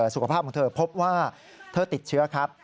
สุขภาพของเธอพบว่าเธอติดเชื้อครับ